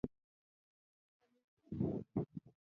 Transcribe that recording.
زمونږ کلی کوچنی دی